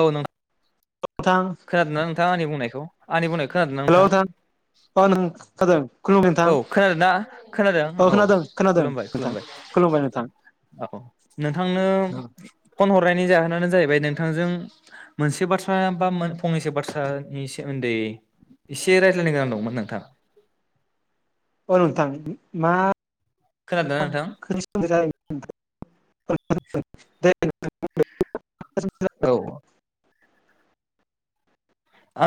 औ नों नोंथां खोनादोंना नोंथां आंनि बुंनायखौ? आंनि बुंनायखौ हेल' नोंथां अ नों खोनादों? खुलुमबाय नोंथां औ अ खोनादों ना? खोनादों औ खोनादों खोनादों खुलुमबाय नोंथां खुलुमबाय खुलुमबाय नोंथां औ नोंथांनो फन हरनायनि जाहोनानो जाहैबाय नोंथांजों मोनसे बाथ्रा बा मो फंनैसो बाथ्रानि सोमोनदै एसे रायज्लायनो गोनां दंमोन नोंथां अ नोंथां मा? खोनादोंना [unintelligible] नोंथां [unintelligible] [unintelligible] दे [unintelligible] औ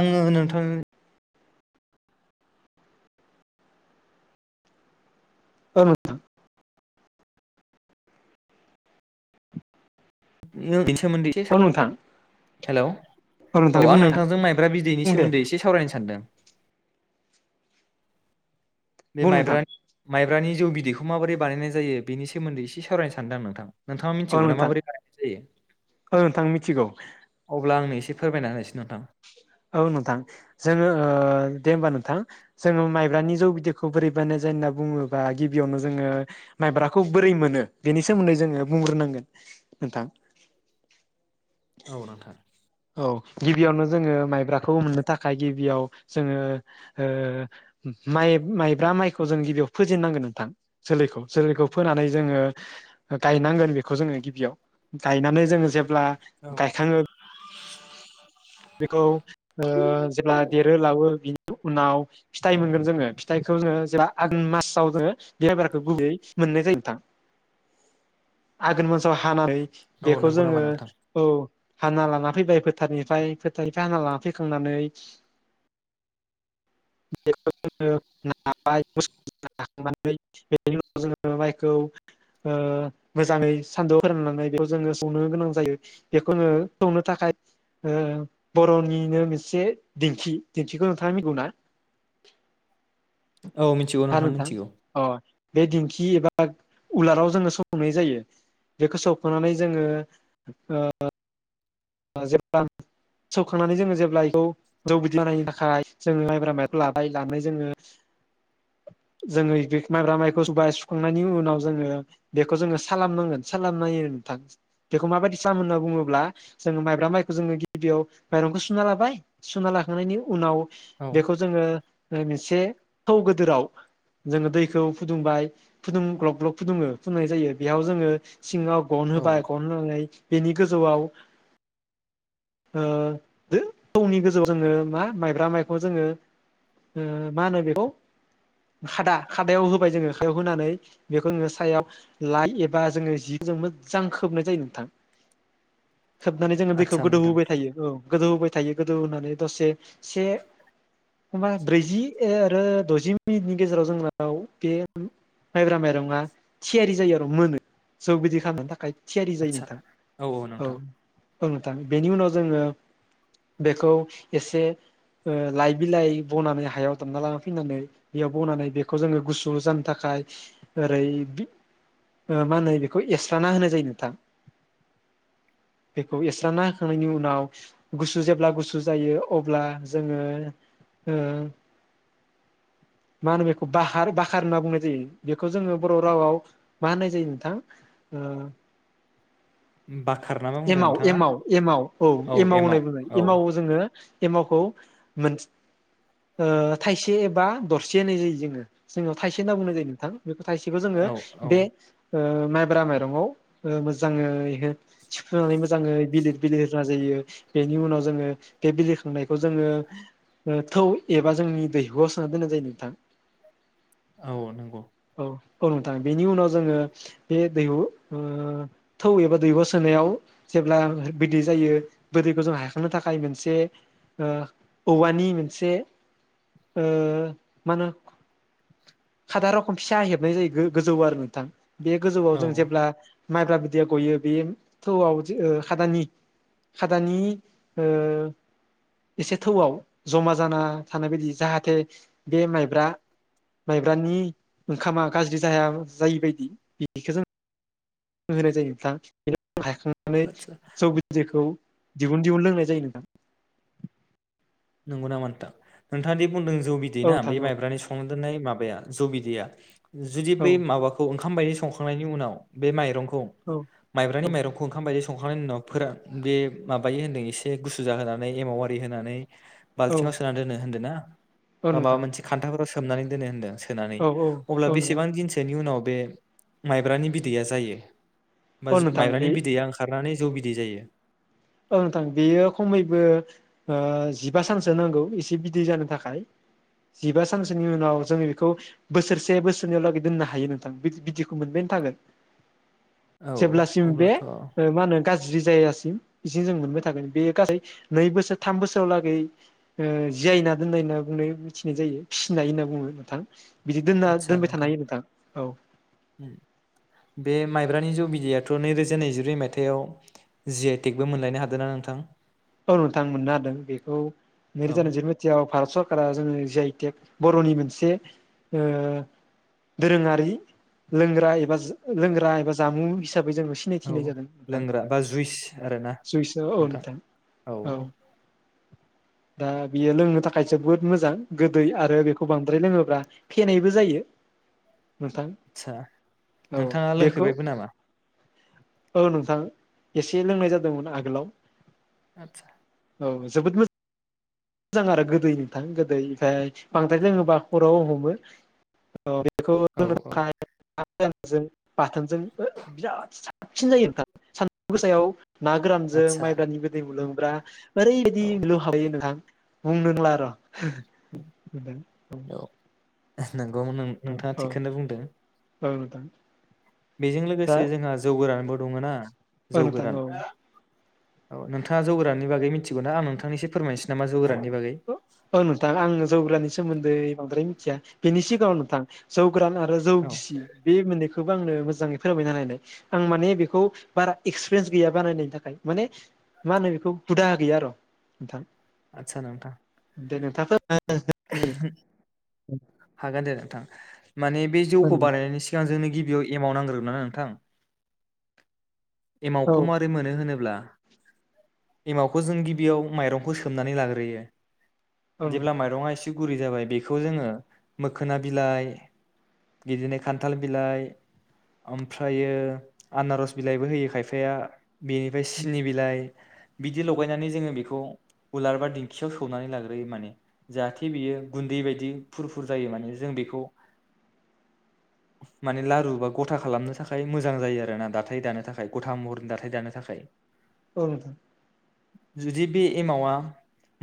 आङो नोंथां औ नोंथां नों [unintelligible] सोमोन्दै औ एसे नोंथां हेलौ नोंथां औ आं बुंनाया नोंथांजों माइब्रा बिदैनि बुं दे सोमोन्दै एसे सावरायनो सानदों। बे बुं नोंथां माइब्रानि माइ ब्रानि जौ बिदैखौ माबोरै बानायनाय जायो बेनि सोमोन्दै एसे सावरायनो सानदों आं नोंथां। नोंथाङा औ मिथिगौना नोंथां माबोरै बानायनाय जायो। औ नोंथां मिथिगौ अब्ला आंनो एसे फोरमायना होनायसाय औ नोंथां जोङो ओ दे होमबा नों नोंथां जोङो माइब्रानि जौ बिदैखौ बोरै बानाय जायो होनना बुङोबा गिबियावनो जोङो माइब्राखौ बोरै मोनो बेनि सोमोनदै जोङो बुंग्रोनांगोन नोंथां। औ नोंथां। औ गिबियावनो जोङो माइब्राखौ मोननो थाखाय गिबियाव जोङो ओ माइ माइब्रा माइखौ जों गिबियाव फोजेननांगोन नोंथां जोलैखौ जोलैखौ फोनानै जोङो गायनांगोन बेखौ जोङो गिबियाव गायनानै जोङो जेब्ला ब्ला गायखाङो बेखौ ओ जेब्ला देरो लावो बिनि उनाव फिथाइ मोनगोन जोङो फिथाइखौ जोङो जेब्ला आघोन मासाव जोङो बेबारखौ गुबैयै मोननाय जायो नोंथां आघोन मासाव हानानै औ बेखौ नंगौ नामा जोङो नोंथां औ हाना लाना फैबाय फोथारनिफ्राय फोथारनिफ्राय हाना लाना फैखांनानै [inaudible] बेखौ जोङो नाबाय [unintelligible] नाखांनानै बेनि उनाव जोङो माइखौ ओ मोजाङै सानदुं फोराननानै बेखौ जोङो संनो गोनां जायो बेखौ जोङो संनो थाखाय ओ बर'निनो मोनसे दिंखि दिंखिखौ नोंथाङा मिथिगौना औ मिथिगौ नोंथां मिथिगौ अ बे दिंखि एबा उलाराव जोङो सफनाय जायो बेखौ सौफोनानै जोङो [unintelligible] जेब्ला सौखांनानै जोङो जेब्ला बेखौ जौ बिदानायनि थाखाय जोङो माइब्रा माइखौ लाबाय लानानै जोङो जोङो माइब्रा माइखौ सुखांनायनि उनाव जोङो बेखौ जोङो सानांगोन सानाय नोंथां बेखौ माबायदि खालाम होनना बुङोब्ला [unintelligible] जोङो माइब्रा माइखौ जोङो गिबियाव माइरंखौ सुना लाबाय सुना लाखांनायनि उनाव औ बेखौ जोङो से थौ गोदोराव जोङो दैखौ फुदुंबाय फुदुं ग्लब ग्लब फुदुङो फुुंदुंनाय जायो बेयाव जोङो सिङाव गन औ होबाय गन होनानै बेनि गोजौआव ओ दो थौनि गोजौआव जोङो मा माइब्रा माइखौ जोङो ओ मा होनो बेखौ खादा-खादायाव होबाय जोङो आखायाव होनानै बेखौ जोङो सायाव लाइ एबा जोङो जिजों मोजां खोबनाय जायो नोंथां खोबनानै जोङो दैखौ आदसा गोदौ नोंथां होबाय थायो औ गोदौ होबाय थायो गोदौहानै दसे से हबा ब्रैजि आरो द'जि मिनिटनि गेजेराव जोंनाव बे माइब्रा माइरंआ थियारि जायो आरो मोनो जौ बिदि खालामनो थाखाय थियारि जायो आदसा नोंथां औ औ नोंथां औ औ नोंथां बेनि उनाव जोङो बेखौ एसे ओ लाइ बिलाइ बनानै हायाव दामना ला फैनानै बेयाव बनानै बेखौ जोङो गुसु जानो थाखाय ओरै बि ओ मा होनो बेखौ एस्राना होनाय जायो नोंथां बेखौ एस्रना होखांनायनि उनाव गुसु जेब्ला गुसु जायो अब्ला जोङो ओ मा होनो बेखौ बार बाखार होनना बुंनाय जायो बेखौ जोङो बर' रावाव मा होननाय जायो नोंथां बाख एमाव एमाव एमाव औ एमाव होननाय बुंनाय एमव जोङो एमावखौ ओ थाइसे एबा दरसे होनाय जायो जोङो जोंनियाव थाइसे होनना बुंनाय जायो नोंथां बेखौ थाइसेबखौ जोङो औ औ बे ओ माइब्रा माइरंआव मोजाङै हो होनानै मोजाङै बिलिर बिलिर [unintelligible] जायो बेनि उनाव जोङो बे बिलिखांनायखौ जोङो थौ एबा जोंनि दैहुआव सोना दोननाय जायो नोंथां औ नंगौ औ औ नोंथां बेनि उनाव जोङो बे दैहु ओ थौ एबा दैहु सोनायाव जेब्ला बिदै जायो बोदैखौ जों हायखांनो थाखाय मोनसे ओ औवानि मोनसे ओ मा होनो खादारावखम फिसा हेबनाय जायो गोजौ आरो नोंथां बे गोजौआव औ जों जेब्ला माइब्रा बिदिया गयो बे थौआव ओ खादानि खादानि ओ एसे थौआव जमा जाना थानाय बदि जाहाथे बे माइब्रा माइब्रानि ओंखामा गाज्रि जाया जायि बायदि बेखौ जों होनाय जायो नोंथां हायखांनानै आदसा जौ बिदैखौ दिहुन दिहुन लोंनाय जायो नोंथां नंगौ नामा नोंथां नोंथाङा दि बुंदों जौ बिदै ना बै नोंथां मायब्रानि संनादोननाय मा बाया जौ बिदिया जुदि औ बै माबाखौ ओं ओंखाम बायदि संखांनायनि उनाव बे माइंख नोंथां औ माइब्रानि औ माइरंखौ ओंखाम बायदि स संखांनायनि उनाव फोरा बे माबायो होन्दों एसे गुसु जाहोनानै एमाव आरि होनानै औ बाल्थिंआव सोना दोनो होन्दो ना औ बा माबा नोंथां मोनसे खान्थाफोराव सो खोबनानै दोनो होनदों सोनानै औ औ अब्ला औ नोंथां बेसेबां दिनसोनि उनाव बे माइब्रानि बिदैया जायो होमा औ नोंथां माइब्रानि बे बिदैया ओंखारनानै जौ बिदै जायो औ नोंथां बेयो खमैबो जिबा सानसो नांगौ एसे बिदै जानो थाखाय जिबा सानसोनि उनाव जोङो बेखौ बोसोरसे बोसोरनैयावलागै दोननो हायो नोंथां बिदैखौ मोनबायानो थागोन औ जेब्लासिम बे अब्लाथ' ओ मा होनो गाज्रि जि जायगासिम बिदिनो जों मोनबाय थागोन बे गासै नै बोसोर थाम बोसोर लागै ओ जिआयना दोननाय होनना बुंनाय मिथिनाय जायो फिसिनाय होनना बुङो नोंथां बिदि दोनना दोनबाय थानो हायो नोंथां औ उ बे माइब्रानि जौ बिदैयाथ नै रोजा नै जिब्रै मायथाइयाव जि आइ टेग बो मोनलायनो हादों ना नोंथां औ नोंथां मोननो हादों बेखौ नै औ रोजा नै जिब्रै मायथयाव भारत सर फारा जोङो जि आइ टेक बरनि मोनसे ओ दोरोङारि लोंग्रा एबा लोंग्रा एबा जामुं हिसाबै जोंङो औ सिनायथिनाय जादों नोंथां लोंग्रा बा जुइस आरोना जुइस औ नोंथां औ औ दा बियो लोंनो थाखाय जोबोद मोजां गोदै आरो बेखौ बांद्राय लोङोब्ला फेनायबो जायो नोंथां आदसा औ नोंथाङा बेखौ लोंफेबायबो नामा औ नोंथां एसे लोंनाय जादोंमोन आगोलाव आतसा औ जोद मोज मोजां आरो गोदै नोंथां गोदै ओमफाय बांद्राय लोङोब्ला खद राव हमो औ बेखौ औ रोंनो औ थाखाय [unintelligible] जों [unintelligible] सिन जायो नोंथां सान गोसायाव ना गोरानजों आदसा माइब्रानि गोदै मोनलोंबा ब्रा ओरैबा औ [unintelligible] ल हायो नोंथां बुंंनोला आर [unintelligible] औ [inaudible] नंगौ नों नोंथाङा थिगखौनो बुंदों औ दां बेजों लोगोसे जोंहा जौगोरनबो दङो ना औ जौ नोंथां गोरान औ औ नोंथाङा जौगोरानि बागै मिथिगौ ना आं नोंथांनो इसे फोरायसै नामा जौगोरान औ नोंथां आं जौ गोरानिस सोमोनदै बांद्राय मिथियानि बिनि सिगाङाव नोंथां जौ गोरान आरो जौ औ गिसि बे मोनै खोबो आंनो मोजाङै फोरमायनो हानाय आं माने बेखौ बारा एक्सपिरियेन्स गैया बानायनायनि थाखाय माने मा होनो बेखौ हुदा गैया आर नोंथां आदसा नोंथां दे नोंथाङा हागोन दे नोंथां माने बे जौखौ फोर बानायनायनि सिगां जोंनो गिबि बेयाव एमाव नांग्रोगोन ना नोंथां औ एमावखौ मारै मोनो होनोब्ला एमावखौ जों गिबियाव माइरंखौ सो मनानै लाग्रोयो नोंथां जेब्ला माइरङा एसे गुरि जाबाय बेखौ जोङो मोखोना बिलाइ बिदिनो खान्थाल बिलाइ ओमफ्रायो आनारस बिलाइबो होयो खायफाया बेनिफ्राय सिनि बिलाइ बिदि लगायनानै जोङो बेखौ उलार बा दिंखियाव सौनानै लाग्रोयो माने जाहाथे बियो गुन्दै बायदि फुरफुर जायो माने जों बेखौ माने लारु बा गथा खालामनो थाखाय मोजां जायो आरो ना दाथाय दानो थाखाय गथा महरनि दाथाय दानो थाखाय औ नोंथां जुदि बे एमावा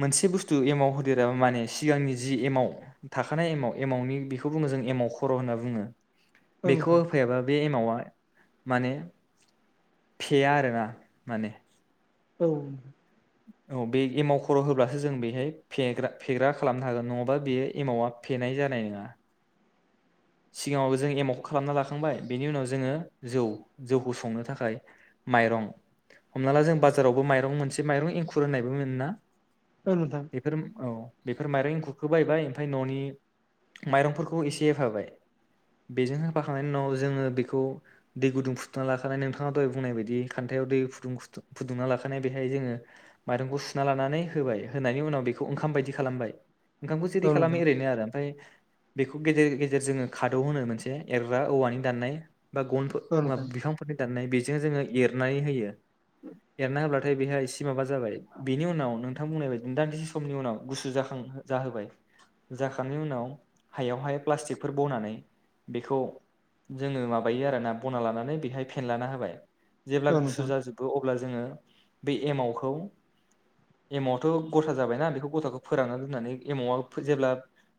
मोनसे बुस्थु एमाव होदेरा माने सिगांनि जि एमाव थाखानाय एमाव एमावनि बेखौ बुङो जों एमाव खर होनना बुङो औ बेखौ नोंथां होफैयाबा बे एम मावा माने फेया आरोना माने औ औ बे एमाव खर' होब्लासो जों बेहाय फेग्रा फेग्रा खालामनो हागोन नङाबा बेयो एमावआ फेनाय जानाय नङा [inaudible] सिगाङावबो जों एमखो खालामना लाखांबाय बेनि उनाव जोङो जौ जौखौ संनो थाखाय माइरं हमना ला जों बाजारावबो माइरं मोनसे माइरं एंखुर होननायबो मोनोना नोंथां बेफोर औ बेफोर माइरं एंखुरखौ बायबाय ओमफाय ननि माइरंफोरखौ एसेहोफाबाय बेजों होफाखांनायनि उनाव जोङो बेखौ दै गुदुं फुदुंना लाखानाय नोंथाङा दहाय बुंनाय बायदि खान्थायाव दै फुदु गुदुं फुदुंना लाखानाय बेहाय जोङो माइरंखौ सुना लानानै होबाय होनायनि उनाव बेखौ ओंखाम बायदि खालामबाय ओंखामखौ जेरै औ खालामो नोंथां एरैनो आरो ओमफाय बेखौ गेजेर गेजेर जोङो खादौ होनो मोनसे एरग्रा औवानि दान्नाय बा गन औ नोंथां बिफांफोरनि दाननाय बे जों जोङो एरनाय होयो एरना होबलाथाय बेहा एसे माबा जाबाय बेनि उनाव नोंथां बुंनायबादिसो दान्दिसे समनि उनाव गुसुजाखां जाहोबाय जांनायनि उनाव हायावहाय प्लास्टिकफोर बनानै बेखौ जोङो माबायो आरोना बना लानानै बेहाय फेनलाना होबाय जेब्ला औ गुसु नोंथां जाजोबो अ अब्ला जोङो बे एमावखौ एमवथ गथा जाबायना बेखौ गथाखौ फोरानना दोननानै एमावआ जेब्ला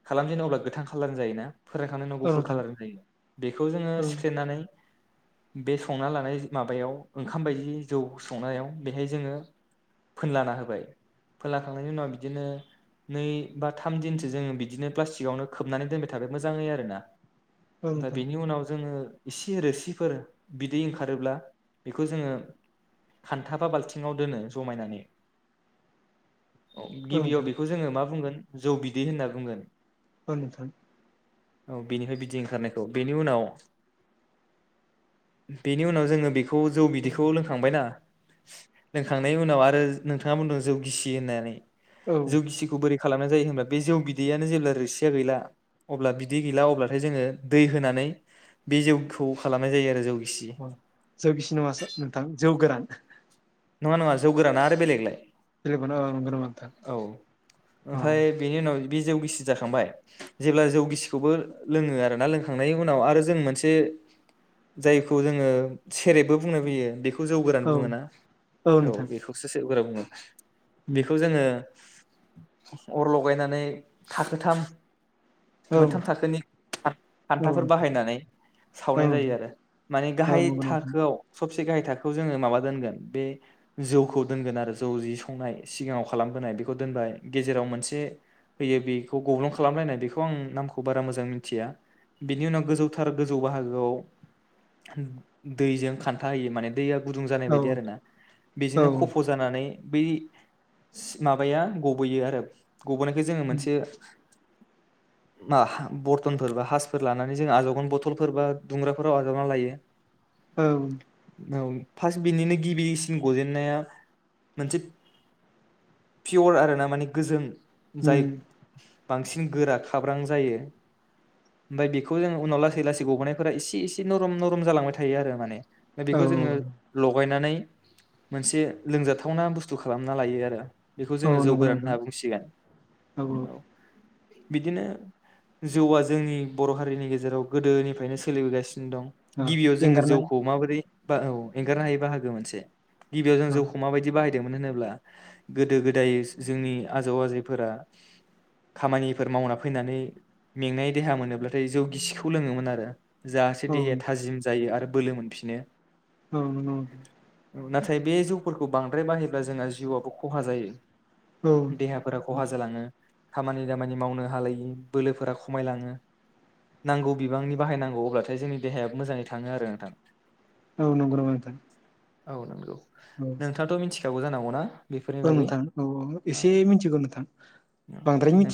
खालामजेनो अब्ला गोथां खालार जायोना फोरायखांनायनि उनाव औ गुफुर नोंथां खालार जायो बेखौ जोङो औ सिख्लेनानै बे संना लानाय माबायाव ओंखाम बायदि जौ संनायाव बेहाय जोङो फोनलाना होबाय फोनलाखांनायनि उनाव बिदिनो नै बा थाम दिनसो जोङो बिदिनो प्लास्टिकआवनो खोबनानै दोनबाय थागोन मोजाङै आरो ना औ दा नोंथां बेनि उनाव जोङो इसे रोसिफोर बिदै ओंखारोब्ला बेखौ जोङो खान्था बा बाल्थिङाव दोनो जमायनानै औ गिबियाव नोंथां बेखौ जोङो मा बुंगोन जौ बिदै होनना बुंगोन थ नोंथां बेनिफ्राय बिदै ओंखारनायखौ बेनि उनाव बेनि उनाव जोङो बेखौ जौ बिदैखौ लोंखांबायना लोंखांनायनि उनाव आरो नोंथाङा बुंदों जौ गिसि होननानै औ जौगिसिखौ बोरै खालामनाय जायो होमब्ला बे जौ बिदैयानो जेब्ला रोसिया गैला अब्ला बिदि गैला अब्लाथाय जोङो दै होनानै बे जौखौ खालामनाय जायो आरो जौ गिसि जौगिसि नङा सार नोंथां जौ गोरान नङा नङा जौ गोराना आरो बेलेगलाय बेलेगखौनो औ नंगौ नामा नोंथां औ अ ओमफाय बेनि उनाव बे जौ गिसि जाखांबाय जेब्ला जौ गिसिखौबो लोङो आरोना लोंखांनायनि उनाव आरो जों मोनसे जायखौ जोङो सेरेबबो बुंनो फैयो बेखौ जौ औ गोरानखौनो ना औ बेखौसो स [unintelligible] बुंङो बेखौ जोङो अर लगायनानै थाखोथाम औ मोनथाम थाखोनि हान-हान्थाफोर नोंथां बाहायनानै औ सावनाय नोंथां जायो आरो माने औ गाहाय नंगौ नोंथां थाखोआव स सबसे गाहाय थाखोआव जोङो माबा दोनगोन बे जौखौ दोनगोन आरो जौ जि संनाय सिगाङाव खालामबोनाय बेखौ दोनबाय गेजेराव मोनसे होयो बेखौ गब्लं खालामलायनाय बेखौ आं नामखौ बारा मोजां मिथिया बेनि उनाव गोजौथार गोजौ बाहागोआव दैजों खान्था होयो माने दैया गुदुं जानाय औ बायदि आरो ना बेजोंनो औ खफ जानानै बै स माबाया गबोयो आरो। गबोनायखो जोङो मोनसे मा बरथनफोर बा हासफोर लानानै जों आजावगोन बथलफोर बा दुंग्राफोराव आजावनानै लायो औ औ फास्थ बिनिनो गिबि सिन गजेननाया मोनसे पियर आरो ना माने गोजों जाय बांसिन गोरा खाब्रां जायो ओमफाय बेखौ जों उनाव लासै लासै गबनायफोरा एसे इसे नरम नरम जालांबाय थायो आरो माने। दा बेखौ जोङो औ लगायनानै मोनसे लोंजाथावना बुस्थु खालामना लायो आरो। बेखौ औ जोङो जौ नंगौ गोरान नोंथां होनना बुंसिगोन औ। बिदिनो जौआ जोंनि बर' हारिनि गेजेराव गोदोनिफ्रायनो सोलिबोगासिनो दं औ गिबियाव जोङो एंगारनाय जौखौ माबोरै बा औ एंगारनो हायो बाहागो मोनसे गिबियाव जों औ जौखौ माबायदि बाहायो? मोन होनोब्ला गोदो गोदाय जोंनि आजौ आजैफोरा खामानिफोर मावना फैनानै मेंनाय देहा मोनोब्लाथाय जौ गिसिखौ लोङोमोन आरो जाहासे औ देहाया थाजिम जायो आरो बोलो मोनफिनो। औ नंगौ नाथाय बे जौफोरखौ बांद्राय बाहायोब्ला जोंहा जिउआबो खहा जायो। औ देहाफोरा खहा जालाङो। खामानि दामानि मावनो हालायि बोलोफोरा खमायलाङो नांगौ बिबांनि बाहायनांगौ अब्लाथाय जोंनि देहाया मोजाङै थाङो आरो नोंथां। औ नंगौ नामा नोंथां? औ नंगौ। औ नोंथाङा मिथि [unintelligible] जानो हागौ ना? औ नोंथां औ एसे मिथिगौ नोंथां बांद्राय नों मिथि